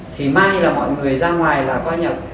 thì may là mọi người ra ngoài là qua nhập